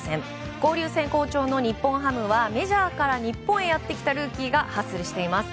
交流戦好調の日本ハムはメジャーから日本へやってきたルーキーがハッスルしています。